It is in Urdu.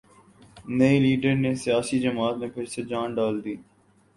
نئےلیڈر نے سیاسی جماعت میں پھر سے جان ڈال دی